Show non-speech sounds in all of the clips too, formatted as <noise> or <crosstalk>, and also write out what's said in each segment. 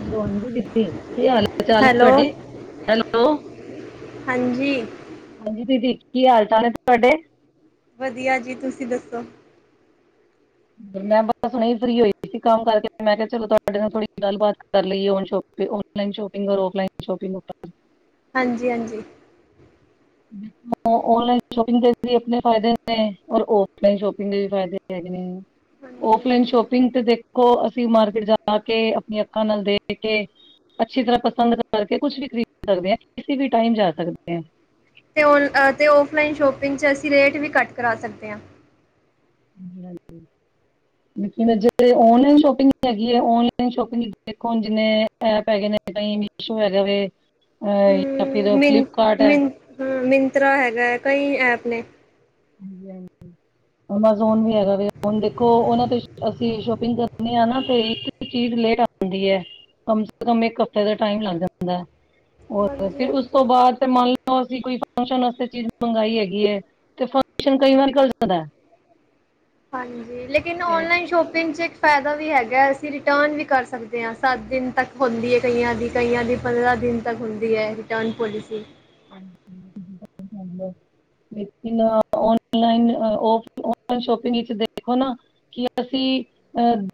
Hello ਹਾਂਜੀ ਦੀਦੀ ਕੀ ਹਾਲ- ਚਾਲ ਹੈਲੋ ਤੁਹਾਡੇ ਹੈਲੋ। ਹਾਂਜੀ। ਹਾਂਜੀ ਦੀਦੀ ਕੀ ਹਾਲ- ਚਾਲ ਨੇ ਤੁਹਾਡੇ। ਵਧੀਆ ਜੀ ਤੁਸੀਂ ਦੱਸੋ। ਮੈਂ ਬਸ ਹੁਣੇ ਫਿਰੀ ਹੋਈ ਸੀ ਕੰਮ ਕਰਕੇ ਮੈਂ ਕਿਹਾ ਚਲੋ ਤੁਹਾਡੇ ਨਾਲ ਥੋੜ੍ਹੀ ਗੱਲਬਾਤ। ਕਰ ਲਈ ਔਨ ਸ਼ੋਪਿੰ ਔਨਲਾਈਨ ਸ਼ੋਪਿੰਗ ਕਰੋ ਔਫਲਾਈਨ ਸ਼ੋਪਿੰਗ। ਹਾਂਜੀ -ਹਾਂਜੀ। <inaudible> ਔਨਲਾਈਨ ਸ਼ੋਪਿੰਗ ਦੇ ਆਪਣੇ ਫਾਇਦੇ ਨੇ ਔਰ ਔਫਲਾਈਨ ਸ਼ੋਪਿੰਗ ਦੇ ਵੀ ਫਾਇਦੇ ਹੈਗੇ ਨੇ। ਹਾਂਜੀ ਓਫਲਾਈਨ ਹਾਂਜੀ ਸ਼ੋਪਿੰਗ ਤੇ ਦੇਖੋ, ਅਸੀਂ ਮਾਰਕੀਟ ਜਾ ਕੇ ਆਪਣੀਆਂ ਅੱਖਾਂ ਨਾਲ ਦੇਖ ਕੇ। ਅੱਛੀ ਤਰ੍ਹਾਂ ਪਸੰਦ ਕਰਕੇ ਕੁਛ ਵੀ ਖਰੀਦ ਸਕਦੇ ਕਿਸੀ ਵੀ ਟਾਈਮ ਜਾ ਸਕਦੇ ਹ। ਅ ਔਨ ਔਫਲਾਈਨ ਸ਼ੋਪਿੰਗ ਚ ਰੇਟ ਵੀ ਘੱਟ ਕਰਾ ਸਕਦੇ ਹਾਂ। ਹਾਂਜੀ-ਹਾਂਜੀ। ਮ ਜਿਹੜੇ ਔਨਲਾਈਨ ਸ਼ੋਪਿੰਗ ਹੈਗੀ ਹੈ, ਔਨਲਾਈਨ ਸ਼ੋਪਿੰਗ ਦੇਖੋ ਜਿਵੇੇ। ਐਪ ਹੈਗੇ ਨੇ ਤਾਂ ਮੀਸ਼ੋ ਹੈਗਾ ਵ ਅਹ। ਜਾਂ ਫਿਰ ਮ ਮਿੰਨ- ਫਲਿੱਪਕਾਰਟ ਹੈ ਮਿੰਨ ਹਾਂ ਮਿੰਤਰਾ ਹੈਗਾ ਹੈ ਕਈ ਐਪ ਨੇ। ਹਾਂਜੀ ਹਾਂਜੀ। <inaudible> ਅਮਾਜ਼ੋਨ ਵੀ ਹੈਗਾ ਵ ਹੁਣ ਦੇਖੋ ਉਹਨਾਂ ਤੇ ਅਸੀਂ ਸ਼ੋਪਿੰਗ ਕਰਨੀ ਆ ਨਾ ਤੇ। ਚੀਜ਼ ਲੇਟ ਆਂਦੀ ਹੈ ਕਮ ਸੇ ਕਮ ਇਕ ਹਫ਼ਤੇ ਦਾ ਟਾਈਮ ਲੱਗ ਜਾਂਦਾ ਹੈ। ਹੋਰ ਹਾਂਜੀ ਫਿਰ ਉਸ ਤੋਂ ਹਾਂਜੀ ਬਾਅਦ ਤੇ ਮੰਨ ਲਓ, ਅਸੀਂ ਕੋਈ ਫੰਕਸ਼ਨ ਵਾਸਤੇ ਚੀਜ਼ ਮੰਗਾਈ ਹੈਗੀ ਹੈ। ਸ਼ਨ ਕਈ ਵਾਰੀ ਘੱਲ ਜਾਂਦਾ। ਹਾਂਜੀ ਲੇਕਿਨ ਹੈ ਤੇ ਔਨਲਾਈਨ ਸ਼ੋਪਿੰਗ 'ਚ। ਫਾਇਦਾ ਵੀ ਹੈਗਾ। ਅਸੀਂ ਰਿਟਰਨ ਵੀ ਕਰ ਸਕਦੇ ਹਾਂ। ਸੱਤ ਦਿਨ ਤੱਕ ਹੁੰਦੀ ਹੈ ਕਈਆਂ ਦੀ ਕਈਆਂ ਦੀ ਪੰਦਰਾਂ ਦਿਨ। ਤਕ ਹੁੰਦੀ ਹੈ ਰਿਟਰਨ ਪੋਲਸੀ। ਹ ਚ <inaudible> ਲੇਕਿਨ ਔਨਲਾਈਨ, ਔਫਲਾਈਨ ਸ਼ੋਪਿੰਗ ਵਿੱਚ ਦੇਖੋ ਨਾ। ਕਿ ਅਸੀਂ ਅਹ।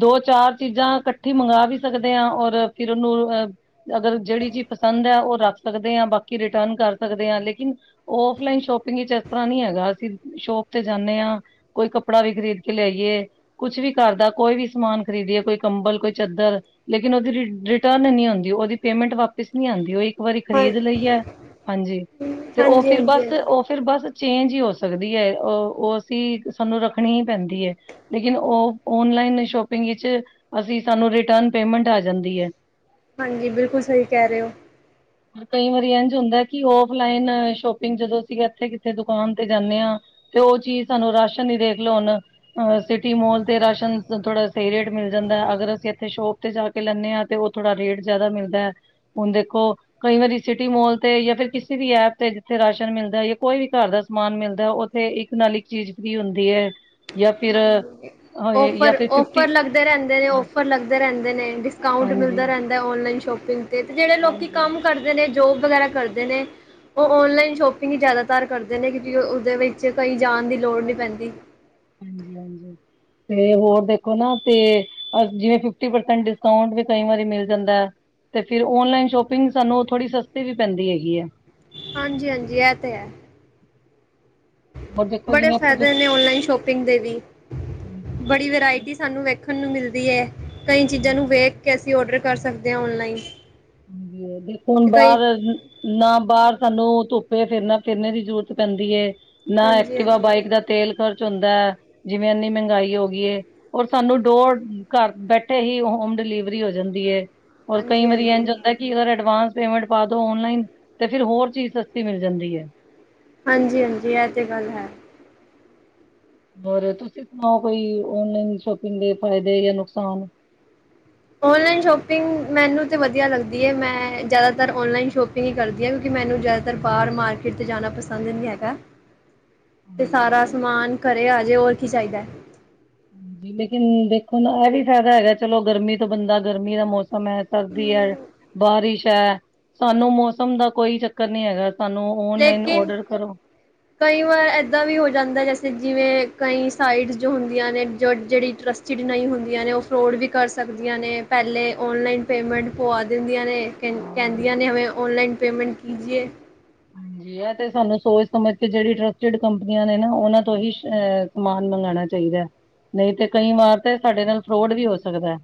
ਦੋ, ਚਾਰ ਚੀਜ਼ਾਂ ਇਕੱਠੀ ਮੰਗਵਾ ਵੀ ਸਕਦੇ ਹਾਂ ਔਰ ਫਿਰ ਉਹਨੂੰ ਅਹ ਅਗਰ ਜਿਹੜੀ ਚੀਜ਼ ਪਸੰਦ ਹੈ, ਉਹ ਰੱਖ ਸਕਦੇ ਆਂ। ਬਾਕੀ ਰਿਟਰਨ ਕਰ ਸਕਦੇ ਹਾਂ ਲੇਕਿਨ ਔਫਲਾਈਨ ਸ਼ੋਪਿੰਗ ਵਿਚ ਇਸ ਤਰ੍ਹਾਂ ਨੀ ਹੈਗਾ ਅਸੀਂ ਸ਼ੋਪ ਤੇ ਜਾਂਨੇ ਆਂ ਕੋਈ ਕੱਪੜਾ ਵੀ ਖਰੀਦ ਕੇ ਲਿਆਇਏ ਕੁਛ ਵੀ ਘਰਦਾ ਕੋਈ ਵੀ ਸਮਾਨ ਖਰੀਦੀਏ ਕੋਈ ਕੰਬਲ, ਕੋਈ ਚਦਰ ਲੇਕਿਨ ਉਹਦੀ ਰਿਟਰਨ ਨੀ ਆਦੀ ਉਹਦੀ ਪੇਮੈਂਟ ਵਾਪਿਸ ਨਹੀਂ ਆਂਦੀ, ਉਹ ਇੱਕ ਵਾਰੀ ਹਾਂ ਖ਼ਰੀਦ ਲਈ ਏ ਹਾਂਜੀ, ਤੇ ਉਹ ਹਾਂਜੀ ਫਿਰ ਹਾਂਜੀ ਹਾਂਜੀ ਬਸ ਉਹ ਫਿਰ ਬਸ ਚੇਂਜ ਹੀ ਹੋ ਸਕਦੀ ਏ। ਉਹ ਉਹ ਅਸੀਂ ਸਾਨੂੰ ਰੱਖਣੀ ਹੀ ਪੈਂਦੀ ਏ। ਲੇਕਿਨ ਉਹ ਔਨਲਾਈਨ ਸ਼ੋਪਿੰਗ ਵਿੱਚ ਅਸੀਂ ਸਾਨੂੰ ਰਿਟਰਨ ਪੇਮੈਂਟ ਆ ਜਾਂਦੀ ਏ। ਹਾਂਜੀ, ਬਿਲਕੁਲ ਸਹੀ ਕਹਿ ਰਹੇ ਹੋ। ਕਈ ਵਾਰੀ ਇੰਝ ਹੁੰਦਾ ਕਿ ਔਫਲਾਈਨ ਸ਼ੋਪਿੰਗ ਜਦੋਂ ਅਸੀਂ ਇਥੇ ਕਿੱਥੇ ਦੁਕਾਨ ਤੇ ਜਾਂਨੇ ਆ ਤੇ ਉਹ ਚੀਜ਼ ਸਾਨੂੰ ਰਾਸ਼ਨ ਹੀ ਦੇਖ ਲਓ ਹੁਣ ਸਿਟੀ ਮੋਲ ਤੇ ਰਾਸ਼ਨ ਥੋੜਾ ਸਹੀ ਰੇਟ ਮਿਲ ਜਾਂਦਾ ਅਗਰ ਅਸੀਂ ਇੱਥੇ ਸ਼ੋਪ ਤੇ ਜਾ ਲੈਂਦੇ ਹਾਂ ਤੇ ਉਹ ਥੋੜ੍ਹਾ ਰੇਟ ਜਿਆਦਾ ਮਿਲਦਾ ਹੁਣ ਦੇਖੋ ਕਈ ਵਾਰੀ ਸਿਟੀ ਮੋਲ ਤੇ ਜਾਂ ਫਿਰ ਕਿਸੇ ਵੀ ਐਪ ਤੇ ਜਿੱਥੇ ਰਾਸ਼ਨ ਮਿਲਦਾ, ਜਾਂ ਕੋਈ ਵੀ ਘਰ ਦਾ ਸਮਾਨ ਮਿਲਦਾ ਉ ਤੇ ਇੱਕ ਨਾਲ ਇੱਕ ਚੀਜ਼ ਵੀ ਫ੍ਰੀ ਹੁੰਦੀ ਹੈ ਜਾਂ ਫਿਰ ਜਾਂ ਓਫਰ ਫਿਰ ਫਿਫਟੀ ਓਫਰ ਲੱਗਦੇ ਰਹਿੰਦੇ ਨੇ ਓਫਰ ਲੱਗਦੇ ਰਹਿੰਦੇ ਨੇ ਡਿਸਕਾਊਟ ਹਾਂਜੀ ਮਿਲਦਾ ਰਹਿਣ ਔਨਲਾਈਨ ਸ਼ੋਪਿੰਗ ਤੇ ਜਿਹੜੇ ਲੋਕੀ ਹਾਂਜੀ ਕੰਮ ਕਰਦੇ ਨੇ ਜੋਬ ਵਗੈਰਾ ਕਰਦੇ ਨੇ ਉਹ ਔਨਲਾਈਨ ਸ਼ੋਪਿੰਗ ਹੀ ਜ਼ਿਆਦਾਤਰ ਕਰਦੇ ਨੇ ਕਿਉਂਕਿ ਉਹਦੇ ਵਿੱਚ ਕਈ ਜਾਣ ਦੀ ਲੋੜ ਨਹੀਂ ਪੈਂਦੀ। ਹਾਂਜੀ, ਹਾਂਜੀ ਤੇ ਹੋਰ ਦੇਖੋ ਨਾ ਤੇ ਜਿਵੇਂ ਫਿਫਟੀ ਪਰਸੈਂਟ ਡਿਸਕਾਟ ਵੀ ਕਈ ਵਾਰੀ ਮਿਲ ਜਾਂਦਾ ਏ ਤੇ ਫਿਰ ਔਨਲਾਈਨ ਸ਼ੋਪਿੰਗ ਸਾਨੂੰ ਥੋੜੀ ਸਸਤੀ ਵੀ ਪੈਂਦੀ ਹੈਗੀ ਏ। ਹਾਂਜੀ, ਹਾਂਜੀ ਇਹ ਤੇ ਹੈ, ਹੋਰ ਦੇਖੋ ਬੜੇ ਜਿਵੇਂ ਆਪਾਂ ਦੁ- ਫਾਇਦੇ ਨੇ ਓਨਲਾਈਨ ਸ਼ੋਪਿੰਗ ਪਿੰਗ ਦੇ ਵੀ ਹਾਂਜੀ, ਬੜੀ ਵਰਾਇਟੀ ਸਾਨੂੰ ਵੇਖਣ ਨੂੰ ਮਿਲਦੀ ਏ, ਕਈ ਚੀਜ਼ਾਂ ਨੂੰ ਹਾਂਜੀ। ਵੇਖ ਕੇ ਅਸੀਂ ਔਡਰ ਕਰ ਸਕਦੇ ਆਂ ਔਨਲਾਈਨ ਹਾਂਜੀ, ਦੇਖੋ ਹੁਣ ਤੇ ਕਈ ਬਾਹਰ ਨਾ ਬਾਹਰ ਸਾਨੂੰ ਧੁੱਪੇ ਫਿਰਨਾ ਫਿਰਨੇ ਦੀ ਜ਼ਰੂਰਤ ਪੈਂਦੀ ਏ, ਨਾ ਹਾਂਜੀ ਐਕਟਿਵਾ ਹਾਂਜੀ ਹਾਂਜੀ ਬਾਇਕ ਦਾ ਤੇਲ ਖਰਚ ਹੁੰਦਾ ਏ, ਜਿਵੇਂ ਇੰਨੀ ਮਹਿੰਗਾਈ ਹੋ ਗਈ ਏ ਔਰ ਸਾਨੂੰ ਡੋਰ ਘਰ ਬੈਠੇ ਹੀ ਹੋਮ ਡਿਲੀਵਰੀ ਹੋ ਜਾਂਦੀ ਏ ਔਰ ਕਈ ਹਾਂਜੀ ਵਾਰੀ ਇੰਝ ਹੁੰਦਾ ਅਗਰ ਅਡਵਾਂਸ ਪੇਮੈਂਟ ਪਾ ਦੋ ਔਨਲਾਈਨ ਤੇ ਫਿਰ ਹੋਰ ਚੀਜ਼ ਸਸਤੀ ਮਿਲ ਜਾਂਦੀ ਏ। ਹਾਂਜੀ, ਹਾਂਜੀ ਇਹ ਤੇ ਗੱਲ ਹੈ। ਹੋਰ ਤੁਸੀਂ ਸੁਣਾਓ ਕੋਈ ਓਨਲਾਈਨ ਸ਼ੋਪਿੰਗ ਦੇ ਫਾਇਦੇ ਜਾਂ ਨੁਕਸਾਨ। ਔਨਲਾਈਨ ਸ਼ੋਪਿੰਗ ਮੈਨੂੰ ਤਾਂ ਵਧੀਆ ਲੱਗਦੀ ਏ ਮੈਂ ਜ਼ਿਆਦਾਤਰ ਔਨਲਾਈਨ ਸ਼ੋਪਿੰਗ ਹੀ ਕਰਦੀ ਆ ਕਿਉਂਕਿ ਮੈਨੂੰ ਜ਼ਿਆਦਾਤਰ ਬਾਹਰ ਮਾਰਕੀਟ ਚ ਜਾਣਾ ਪੰਸਦ ਨਹੀਂ ਹੈਗਾ। <unintelligible> ਤੇ ਸਾਰਾ ਹਾਂਜੀ ਸਮਾਨ ਘਰੇ ਆਜੇ ਹੋਰ ਕੀ ਚਾਹੀਦਾ। ਲੇਕਿਨ ਦੇਖੋ ਨਾ ਇਹ ਵੀ ਫਾਇਦਾ ਹੈਗਾ ਚਲੋ ਗਰਮੀ ਤੋਂ ਬੰਦਾ ਗਰਮੀ ਦਾ ਮੌਸਮ ਮੌਸਮ ਹੈ ਸਰਦੀ ਹੈ ਬਾਰਿਸ਼ ਹੈ। ਸਾਨੂੰ ਮੌਸਮ ਦਾ ਕੋਈ ਚੱਕਰ ਨੀ ਹੈਗਾ ਸਾਨੂੰ ਓਨਲਾਈਨ ਲੇਕਿਨ ਔਡਰ ਕਰੋ ਕਈ ਵਾਰ ਏਦਾਂ ਵੀ ਹੋ ਜਾਂਦਾ ਜੈਸੇ ਜਿਵੇਂ ਕਈ ਸਾਈਟਸ ਜੋ ਹੁੰਦੀਆਂ ਨੇ ਜੋ ਜਿਹੜੀ ਹੁੰਦੀਆਂ ਨੇ ਉਹ ਫਰੋਡ ਵੀ ਕਰ ਸਕਦੀਆਂ ਨੇ ਪਹਿਲੇ ਔਨਲਾਈਨ ਪੇਮੈਂਟ ਪਵਾ ਦਿੰਦੀਆਂ ਨੇ ਕਹਿੰਦੀਆਂ ਹਾਂਜੀ ਨੇ ਹਮੇ ਔਨਲਾਈਨ ਪੇਮੈਂਟ ਕੀ ਜੀਏ। ਹਾਂਜੀ। 'ਤੇ ਸਾਨੂੰ ਸੋਚ ਸਮਝ ਕੇ ਜੇੜੀ ਟਰਸਟਡ ਕੰਪਨੀਆਂ ਨੇ ਨਾ ਉਨਾਂ ਤੋਂ ਹੀ ਅ ਸਮਾਨ ਮੰਗਾਣਾ ਚਾਈਦੈ। ਨਈ 'ਤੇ ਕਈ ਵਾਰ 'ਤੇ ਸਾਡੇ ਨਾਲ ਫਰੋਡ ਵੀ ਹੋ ਸਕਦਾ ਐ।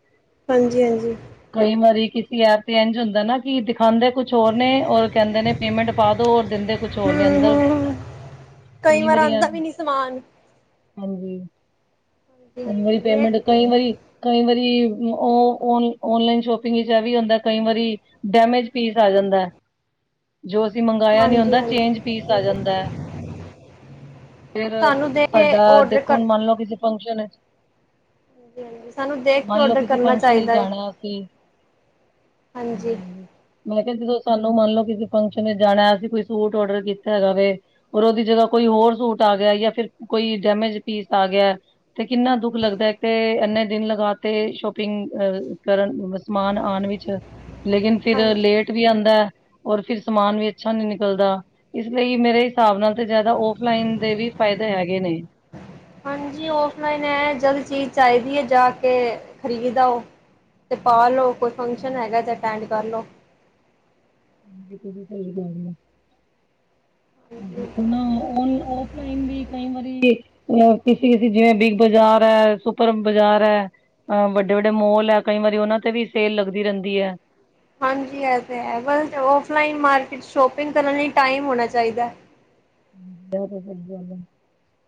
ਹਾਂਜੀ-ਹਾਂਜੀ। ਕਈ ਵਾਰੀ ਕਿਸੀ ਐਪ ਤੇ ਇੰਝ ਹੁੰਦਾ ਨਾ ਕਿ ਦਿਖਾਦੇ ਕੁਛ ਹੋਰ ਨੇ ਔਰ ਕੈਂਦੇ ਨੇ ਪੇਮੈਂਟ ਦੋਰ ਦਿੰਦੇ ਕੁਛ ਔਰ ਨੇ ਹਮ ਅੰਦਰ, ਹਮ ਕਈ ਵਾਰ ਵਾਰੀ ਆਉਂਦਾ ਵੀ ਹਾਂਜੀ, ਨਹੀਂ ਸਮਾਨ ਹਾਂਜੀ ਕਈ ਵਾਰੀ ਪੇਮੈਂਟ, ਹਾਂਜੀ ਕਈ ਵਾਰੀ ਕਈ ਵਾਰੀ ਓ ਓਨ ਔਨਲਾਈਨ ਸ਼ੋਪਿੰਗ ਵਿੱਚ ਐ ਵੀ ਹੁੰਦਾ ਕਈ ਵਾਰੀ ਡੈਮੇਜ ਪੀਸ ਆ ਜਾਂਦਾ ਐ, ਜੋ ਅਸੀਂ ਮੰਗਾਇਆ ਨੀ ਹਾਂਜੀ ਹੁੰਦਾ ਹਾਂਜੀ ਚੇਂਜ ਪੀਸ ਆ ਜਾਂਦੈ। ਫੇਰ ਸਾਨੂੰ ਦੇਖ ਕੇ ਸਾਡਾ ਔਡਰ ਦੇਖੋ ਕਰ ਹੁਣ ਮੰਨ ਲੋ ਕਿਸੇ ਫੰਕਸ਼ਨ 'ਚ ਹਾਂਜੀ-ਹਾਂਜੀ ਸਾਨੂੰ ਦੇਖ ਕੇ ਔਡਰ ਕਰਨਾ ਫੰਕਸ਼ਨ ਵਿੱਚ ਚਾਈਦਾ ਏ। ਜਾਣਾ ਅਸੀਂ ਹਾਂਜੀ। ਮੈਂ ਕੇਆ ਜਦੋਂ ਸਾਨੂੰ ਮੰਨ ਲੋ ਕਿਸੇ ਫੰਕਸ਼ਨ ਵਿੱਚ ਜਾਣਾ ਅਸੀਂ ਕੋਈ ਸੂਟ ਔਡਰ ਕੀਤਾ ਹੈਗਾ ਵੇ ਔਰ ਉਦੀ ਜਗਾ ਕੋਈ ਹੋਰ ਸੂਟ ਆ ਗਿਆ ਜਾਂ ਫਿਰ ਕੋਈ ਡੈਮੇਜ ਪੀਸ ਆ ਗਿਆ 'ਤੇ ਕਿੰਨਾ ਦੁੱਖ ਲੱਗਦਾ ਕੇ ਇੰਨੇ ਦਿਨ ਲਗਾ 'ਤੇ ਸ਼ੋਪਿੰਗ ਅ ਕਰਨ ਵਸ ਸਮਾਨ ਆਣ ਵਿੱਚ ਲੇਕਿਨ ਫਿਰ ਹਾਂਜੀ ਲੇਟ ਵੀ ਆਂਦੈ ਔਰ ਫਿਰ ਸਮਾਨ ਵੀ ਅੱਛਾ ਨੀ ਨਿਕਲਦਾ। ਇਸ ਲਈ ਮੇਰੇ ਹਿਸਾਬ ਨਾਲ' ਤੇ ਜਿਆਦਾ ਔਫਲਾਈਨ ਦੇ ਵੀ ਫਾਇਦੇ ਹੈਗੇ ਨੇ। ਹਾਂਜੀ ਔਫਲਾਈਨ ਐ ਜਦ ਚੀਜ਼ ਚਾਈਦੀ ਐ ਜਾ ਕੇ ਖ਼ਰੀਦ ਆਓ ਤੇ ਪਾ ਲੋ ਕੋਈ ਫੰਕਸ਼ਨ ਹੈਗਾ 'ਤੇ ਅਟੈਂਡ ਕਰ ਲੋ। ਹਾਂਜੀ ਤੁਸੀਂ ਸਈ ਕੈ ਰੀਆ। ਹਾਂਜੀ ਓ ਨਾ ਓਨ ਔਫ ਕਈ ਵਾਰੀ ਕਿਸੀ ਜਿਵੇਂ ਬਿਗ ਬਾਜ਼ਾਰ ਐ, ਸੁਪਰ ਬਾਜ਼ਾਰ ਐ ਅ ਵੱਡੇ-ਵੱਡੇ ਮੋਲ ਐ ਕਈ ਵਾਰੀ ਉਨਾਂ 'ਤੇ ਵੀ ਸੇਲ ਲੱਗਦੀ ਰੈਂਦੀ ਏ। ਹਾਂਜੀ ਐ 'ਤੇ ਹੈ ਬਸ ਔਫਲਾਈਨ ਮਾਰਕੀਟ ਸ਼ੋਪਿੰਗ ਕਰਨ ਲਈ ਟਾਈਮ ਹੋਣਾ ਚਾਈਦੈ।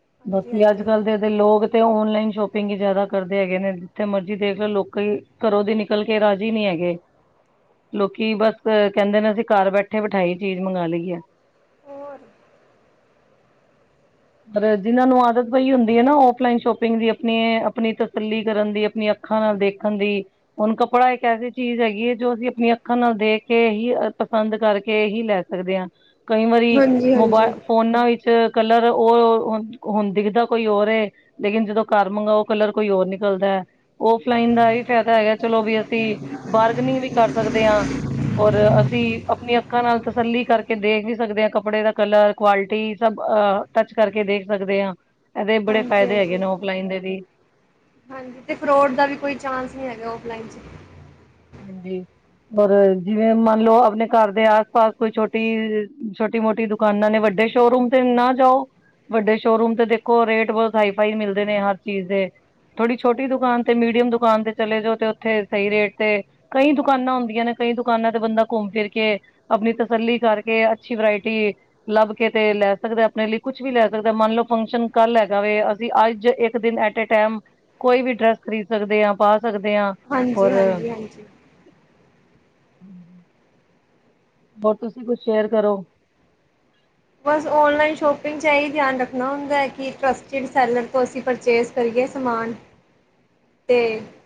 ਹਾਂਜੀ ਬਾਕੀ ਹਾਂਜੀ ਅੱਜ-ਕੱਲ ਦੇ ਲੋਕ 'ਤੇ ਔਨਲਾਈਨ ਸ਼ੋਪਿੰਗ ਈ ਜਿਆਦਾ ਕਰਦੇ ਹੈਗੇ ਨੇ ਜਿੱਥੇ ਮਰਜ਼ੀ ਦੇਖ ਲੋ ਲੋਕੀ ਘਰੋਂ ਦੀ ਨਿਕਲ ਕੇ ਰਾਜੀ ਨੀ ਐਗੇ। ਲੋਕੀ ਬਸ ਕੈਂਦੇ ਨੇ ਅਸੀਂ ਘਰ ਬੈਠੇ ਬਿਠਾਈ ਚੀਜ਼ ਮੰਗਾ ਲਈ ਐ। ਹੋਰ। ਪਰ ਜਿਨਾਂ ਨੂੰ ਆਦਤ ਪਈ ਹੁੰਦੀ ਏ ਨਾ ਔਫਲਾਈਨ ਸ਼ੋਪਿੰਗ ਦੀ ਆਪਣੀ-ਆਪਣੀ ਤਸੱਲੀ ਕਰਨ ਦੀ ਆਪਣੀ ਅੱਖਾਂ ਨਾਲ ਦੇਖਣ ਦੀ ਹੁਣ ਕੱਪੜਾ ਇੱਕ ਐਸੀ ਚੀਜ਼ ਹੈਗੀ ਏ ਜੋ ਅਸੀਂ ਆਪਣੀਆਂ ਅੱਖਾਂ ਨਾਲ ਦੇਖ ਕੇ ਹੀ ਪਸੰਦ ਕਰਕੇ ਹੀ ਲੈ ਸਕਦੇ ਆ ਕਈ ਵਾਰੀ ਹਾਂਜੀ ਮੋਬਾਇ ਹਾਂਜੀ ਫੋਨਾਂ ਵਿੱਚ ਕਲ ਰ ਔਰ ਓ ਹੁਣ, ਹੁਣ ਦਿਖਦਾ ਕੋਈ ਹੋਰ ਏ ਲੇਕਿਨ ਜਦੋਂ ਘਰ ਮੰਗਾਓ ਕਲਰ ਕੋਈ ਹੋਰ ਨਿਕਲਦਾ ਐ। ਔਫਲਾਇਨ ਦਾ ਏ ਫਾਇਦਾ ਹੈਗਾ ਚਲੋ ਵੀ ਅਸੀਂ ਬਾਰਗਨਿੰਗ ਵੀ ਸਕਦੇ ਆ। ਔਰ ਅਸੀਂ ਆਪਣੀਆ ਅੱਖਾਂ ਨਾਲ ਤਸੱਲੀ ਕਰਕੇ ਦੇਖ ਵੀ ਸਕਦੇ ਆ ਕੱਪੜੇ ਦਾ ਕਲਰ ਕੁਆਲਿਟੀ ਸਭ ਟੱਚ ਕਰਕੇ ਦੇਖ ਸਕਦੇ ਆ, ਏਦੇ ਬੜੇ ਹਾਂਜੀ ਫਾਇਦੇ ਹੈਗੇ ਹਾਂਜੀ ਨੇ ਔਫਲਾਈਨ ਦੇ ਵੀ। ਹਾਂਜੀ 'ਤੇ ਫਰੋਡ ਦਾ ਵੀ ਕੋਈ ਚਾਂਸ ਨੀ ਹੈਗਾ ਔਫਲਾਈਨ 'ਚ। ਹਾਂਜੀ। ਔਰ ਜਿਵੇਂ ਮੰਨ ਲੋ ਆਪਣੇ ਘਰ ਦੇ ਆਸ ਪਾਸ ਕੋਈ ਛੋਟੀ, ਛੋਟੀ ਮੋਟੀ ਦੁ ਕਾਨਾਂ ਨੇ ਵੱਡੇ ਸ਼ੋ ਰੂਮ 'ਤੇ ਨਾ ਜਾਓ। ਵੱਡੇ ਸ਼ੋ ਰੂਮ ਤੇ ਦੇਖੋ ਰੇਟ ਬੋਤ ਹਾਈ ਫਾਈ ਮਿਲਦੇ ਨੇ ਹਰ ਚੀਜ਼ ਦੇ। ਥੋੜੀ ਛੋਟੀ ਦੁਕਾਨ 'ਤੇ ਮੀਡੀਅਮ ਦੁਕਾਨ 'ਤੇ ਚਲੇ ਜਾਓ ਤੇ ਉੱਥੇ ਸਈ ਰੇਟ ਤੇ ਕਈ ਦੁਕਾਨਾਂ ਹੁੰਦੀਆਂ ਨੇ, ਕਈ ਦੁਕਾਨਾਂ ਤੇ ਬੰਦਾ ਘੁੰਮ ਫਿਰ ਕੇ ਆਪਣੀ ਤਸੱਲੀ ਕਰਕੇ ਅੱਛੀ ਬਰੈਟੀ ਲੱਭ ਕੇ ਤੇ ਲੈ ਸਕਦੇ ਐ, ਆਪਣੇ ਲਈ ਕੁਛ ਵੀ ਲੈ ਸਕਦਾ ਮੰਨ ਲਓ ਫੰਕਸ਼ਨ ਕੱਲ੍ਹ ਹੈਗਾ ਵੇ ਅਸੀਂ ਅੱਜ ਇੱਕ ਦਿਨ ਏਟੇ ਟੈਮ, ਕੋਈ ਵੀ ਡਰੈਸ ਖਰੀਦ ਸਕਦੇ ਆ ਪਾ ਸਕਦੇ ਆ। ਹਾਂਜੀ-ਹਾਂਜੀ-ਹਾਂਜੀ, ਹੋਰ ਤੁਸੀਂ ਕੁਛ ਸ਼ੇਅਰ ਕਰੋ। ਬਸ ਔਨਲਾਇਨ ਸ਼ੋਪਿੰਗ 'ਚ ਇਹੀ ਧਿਆਨ ਰੱਖਣਾ ਹੁੰਦਾ ਐ, ਕਿ ਟਰੱਸਟਿਡ ਸ਼ੈਲਰ ਤੋਂ ਅਸੀਂ ਪਰਚੇਜ ਕਰੀਏ ਸਮਾਨ। <inaudible> ਤੇ,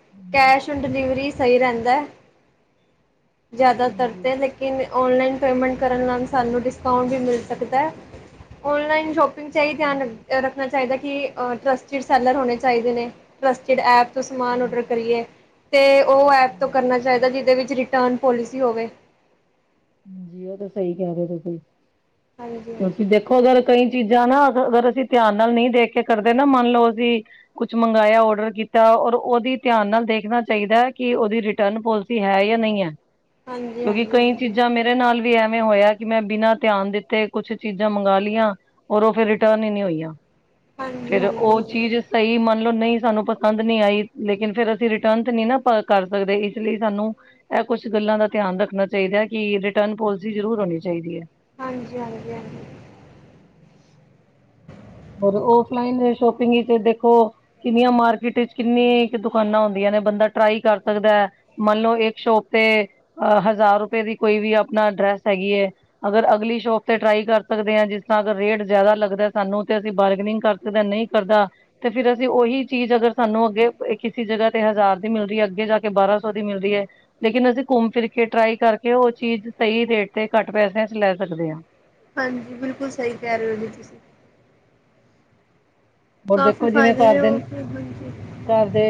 ਹਾਂਜੀ, ਕੈਸ਼ ਡਿਲੀਵਰੀ ਸਹੀ ਰਹਿੰਦਾ ਐ। ਜਿਆਦਾ ਤਰ ਹਾਂਜੀ, ਤੇ ਕਿਨੇ ਔਨਲਾਈਨ ਪੇਮੈਂਟ ਕਰਨ ਨਾਲ ਸਾਨੂੰ ਡਿਸਕਉਟ ਵੀ ਮਿਲ ਸਕਦਾ, ਔਨਲਾਈਨ ਸ਼ੋਪ ਇਹੀ ਧਿਆਨ ਹਾਂਜੀ, ਰੱਖਣਾ ਚਾਹੀਦਾ, ਕਿ ਟਰੱਸਟਡ ਸੈਲਰ ਹੋਣੇ ਚਾਹੀਦੇ ਨੇ ਟਰੱਸਟਡ ਐਪ ਤੋਂ ਸਮਾਨ ਹਾਂਜੀ, ਔਡਰ ਕਰੀਏ, ਤੇ ਉਹ ਐਪ ਤੋਂ ਹਾਂਜੀ। ਕਰਨਾ ਚਾਹੀਦਾ ਜਿਹਦੇ ਵਿੱਚ ਰਿਟਰਨ ਪੋਲਿਸੀ ਹੋਵੇ। ਹਾਜੀ ਉਹ ਤਾਂ ਸਹੀ ਕਹਿ ਰਹੇ ਤੁਸੀਂ ਹਾਂਜੀ ਕਿਉਂਕਿ ਹਾਂਜੀ। ਦੇਖ ਅਗਰ ਕਈ ਚੀਜ਼ਾਂ ਨਾ ਅਗਰ ਅਸੀਂ ਧਿਆਨ ਨਾਲ ਨਈ ਦੇਖ ਕੇ ਕਰਦੇ ਨਾ ਮੰਨ ਲਓ ਅਸੀਂ ਕੁਛ ਮੰਗਾਇਆ ਕੀਤਾ ਔਰ ਉਹਦੀ ਧਿਆਨ ਨਾਲ ਦੇਖਣਾ ਚਾਹੀਦਾ ਕਿ ਉਹਦੀ ਰਿਟਰਨਲ ਪੋਲ ਹੈ ਜਾਂ ਨਈ ਐ ਹਾਂਜੀ ਕਿਉਂਕਿ ਹਾਂਜੀ ਕਈ ਹਾਂਜੀ ਚੀਜ਼ਾਂ ਮੇਰੇ ਨਾਲ ਵੀ ਐਵੇਂ ਹੋਇਆ ਕਿ ਮੈਂ ਬਿਨਾਂ ਧਿਆਨ ਦਿੱਤੇ ਕੁਛ ਚੀਜ਼ਾਂ ਮੰਗਾ ਲੀਆਂ। ਔਰ ਉਹ ਫਿਰ ਰਿਟਰਨ ਹੀ ਨੀ ਹੋਈਆਂ ਹਾਂਜੀ ਹਾਂਜੀ ਫਿਰ ਉਹ ਹਾਂਜੀ ਚੀਜ਼ ਸਹੀ ਮੰਨ ਲਓ ਨਈ ਸਾਨੂੰ ਪਸੰਦ ਨੀ ਆਈ ਲੇਕਿਨ ਫਿਰ ਅਸੀਂ ਰਿਟਰਨ ਤੇ ਨੀ ਨਾ ਕਰ ਸਕਦੇ ਇਸ ਲਈ ਸਾਨੂੰ ਇਹ ਕੁਛ ਗੱਲਾਂ ਦਾ ਧਿਆਨ ਚਾਹੀਦਾ ਐ ਕਿ ਰਿਟਰਨ ਪੋਲਿਸੀ ਜਰੂਰ ਹੋਣੀ ਚਾਹੀਦੀ ਐ। ਹਾਂਜੀ-ਹਾਂਜੀ-ਹਾਂਜੀ ਔਫਲਾਈਨ ਦੇ ਸ਼ੋਪਿੰਗ ਵਿਚ ਦੇਖੋ ਕਿੰਨੀਆਂ ਮਾਰਕੀਟ ਚ ਕਿੰਨੀ ਕੁ ਦੁਕਾਨਾਂ ਹੁੰਦੀਆਂ ਨੇ ਬੰਦਾ ਟਰਾਈ ਕਰ ਸਕਦਾ ਐ। ਮੰਨ ਲਓ ਇੱਕ ਸ਼ੋਪ ਤੇ ਹਜ਼ਾਰ ਰੁਪਏ ਦੀ ਕੋਈ ਵੀ ਆਪਣਾ ਡਰੈਸ ਹੈਗੀ ਐ। ਅਗਰ ਅਗਲੀ ਸ਼ੋਪ ਤੇ ਟਰਾਈ ਕਰ ਸਕਦੇ ਆ ਜਿਸ ਥਾਂ ਦਾ ਰੇਟ ਜ਼ਿਆਦਾ ਲੱਗਦਾ ਸਾਨੂੰ ਅਸੀਂ ਬਾਰਗਨਿੰਗ ਕਰ ਸਕਦੇ ਨਈ ਕਰਦਾ। ਤੇ ਫਿਰ ਅਸੀਂ ਉਹੀ ਚੀਜ਼ ਅਗਰ ਸਾਨੂੰ ਅੱਗੇ ਕਿਸੇ ਜਗ੍ਹਾ ਤੇ ਹਜ਼ਾਰ ਦੀ ਮਿਲਦੀ ਐ ਅੱਗੇ ਜਾ ਕੇ ਬਾਰਾਂ ਸੌ ਦੀ ਮਿਲਦੀ ਐ। ਲੇਕਿਨ ਅਸੀਂ ਘੁੰਮ ਫਿਰ ਕੇ ਟਰਾਈ ਕਰਕੇ ਉਹ ਚੀਜ਼ ਸਈ ਰੇਟ ਤੇ ਘੱਟ ਪੈਸਿਆ ਚ ਲੈ ਸਕਦੇ ਆ। ਹਾਂਜੀ ਬਿਲਕੁਲ ਸਹੀ ਕਹਿ ਰੇ ਔ ਜੀ ਤੁਸੀਂ ਔਰ ਕਾਫੀ ਦੇਖੋ ਜਿਵੇਂ ਫ਼ਾਇਦੇ ਘਰ ਨੇ ਉਹ ਦੇ ਖਰੀਦਨ ਚ ਘਰ ਦੇ,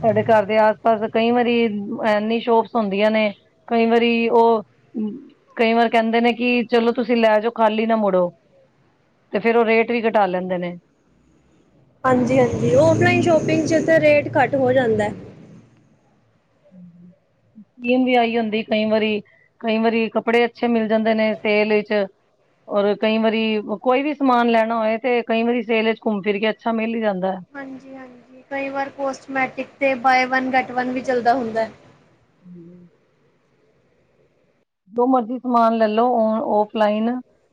ਸਾਡੇ ਘਰ ਦੇ ਆਸ ਪਾਸ ਕਈ ਵਾਰੀ ਐਨੀ ਸ਼ੋਪਸ ਹੁੰਦੀਆਂ ਨੇ ਕਈ ਵਾਰੀ ਉਹ ਕਈ ਵਾਰ ਕਹਿੰਦੇ ਨੇ ਕਿ ਚਲੋ ਤੁਸੀਂ ਲੈ ਜਾਓ ਖਾਲੀ ਨਾ ਮੁੜੋ ਤੇ ਫੇਰ ਉਹ ਰੇਟ ਵੀ ਘਟਾ ਲੈਂਦੇ ਨੇ। ਹਾਂਜੀ-ਹਾਂਜੀ ਔਨਲਾਈਨ ਸ਼ੋਪਿੰਗ ਚ ਰੇਟ ਘੱਟ ਹੋ ਜਾਂਦਾ। <inaudible> ਸਕੀਮ ਵੀ ਆਈ ਹੁੰਦੀ ਏ ਕਈ ਵਾਰੀ, ਕਈ ਵਾਰੀ ਕੱਪੜੇ ਅੱਛੇ ਮਿਲ ਜਾਂਦੇ ਨੇ ਸੇਲ ਵਿਚ ਔਰ ਕਈ ਵਾਰੀ ਕੋਈ ਵੀ ਸਮਾਨ ਲੈਣਾ ਹੋਏ ਤੇ ਕਈ ਵਾਰੀ ਸੇਲ ਵਿਚ ਘੁੰਮ ਫਿਰ ਕੇ ਅੱਛਾ ਮਿਲ ਈ ਜਾਂਦਾ। ਹਾਂਜੀ-ਹਾਜੀ ਕਈ ਵਾਰ ਕੌਸਮੈਟਿਕ ਤੇ ਬਾਏ ਵਨ ਗੈਟ ਵਨ ਵੀ ਚਲਦਾ ਹੁੰਦਾ। <inaudible> ਜੋ ਮਰਜੀ ਸਮਾਨ ਲੈਲੋ ਔਨ ਔਫਲਾਈਨ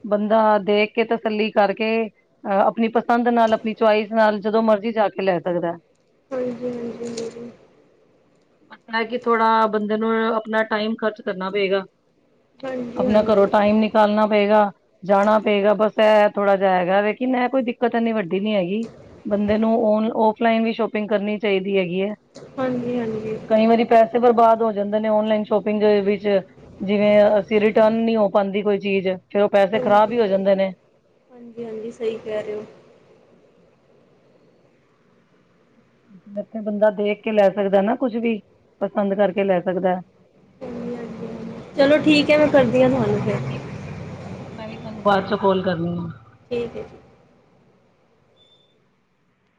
ਬੰਦਾ ਦੇਖ ਕੇ ਤਸੱਲੀ ਕਰਕੇ ਅਹ ਆਪਣੀ ਪਸੰਦ ਨਾਲ ਆਪਣੀ ਚੁਆਇਸ ਨਾਲ ਜਦੋਂ ਮਰਜੀ ਜਾ ਕੇ ਲੈ ਸਕਦਾ। ਹਾਂਜੀ ਹਾਂਜੀ, ਅਪਨਾ ਕਿ ਥੋੜਾ ਬੰਦੇ ਨੂੰ, ਆਪਨਾ ਟਾਈਮ ਖਰਚ ਕਰਨਾ ਪਏਗਾ। ਹਾਂਜੀ ਅਪਨਾ ਘਰੋਂ ਹਾਂਜੀ ਟਾਈਮ ਨਿਕਾਲਨਾ ਪਏਗਾ। ਜਾਨਾ ਪਏਗਾ ਬਸ ਐਹ ਥੋੜ੍ਹਾ ਜੇਆ ਹੈਗਾ, ਲੇਕਿਨ ਐਹ ਕੋਈ ਦਿੱਕਤ ਇੰਨੀ ਵੱਡੀ ਨੀ ਹੈਗੀ। ਬੰਦੇ ਨੂੰ ਔਨ- ਔਫਲਾਈਨ ਵੀ ਸ਼ੋਪਿੰਗ ਕਰਨੀ ਚਾਈਦੀ ਹੈਗੀ ਐ। ਹਾਂਜੀ- ਹਾਂਜੀ। ਕਈ ਵਾਰੀ ਪੈਸੇ ਬਰਬਾਦ ਹੋ ਜਾਂਦੇ ਨੇ, ਔਨਲਾਈਨ ਸ਼ੋਪਿੰਗ ਦੇ ਵਿੱਚ। ਜਿਵੇਂ, ਅਸੀਂ ਰਿਟਰਨ ਨੀ ਹੋ ਪਾਂਦੀ ਕੋਈ ਚੀਜ਼, ਫੇਰ ਉਹ ਪੈਸੇ ਖ਼ਰਾਬ ਈ ਹੋ ਜਾਂਦੇ ਨੇ। ਏਹ ਵੀ ਸਹੀ ਕੈਅ ਰੇਅ ਓ। ਇੱਥੇ ਬੰਦਾ ਦੇਖ ਕੇ ਲੈ ਸਕਦੈ ਨਾ ਕੁਛ ਵੀ, ਪਸੰਦ ਕਰਕੇ ਲੈ ਸਕਦੈ। ਹਾਂਜੀ ਹਾਂਜੀ, <inaudible> ਚਲੋ ਠੀਕ ਐ, ਮੈਂ ਕਰਦੀ ਆ ਤੁਹਾਨੂੰ ਫਿਰ। ਚਲੋ ਠੀਕ ਹੈ ਮੈਂ ਵੀ ਤੁਹਾਨੂੰ ਬਾਦ 'ਚ ਕੌਲ ਕਰਨੀ ਆ। ਠੀਕ ਏ ਜੀ।